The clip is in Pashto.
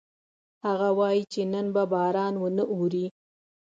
هغه وایي چې نن به باران ونه اوري